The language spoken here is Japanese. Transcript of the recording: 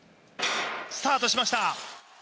スタートしました。